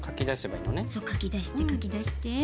そうかき出してかき出して。